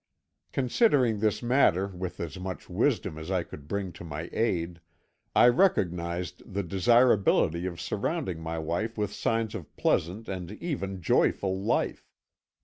"Considering this matter with as much wisdom as I could bring to my aid, I recognised the desirability of surrounding my wife with signs of pleasant and even joyful life.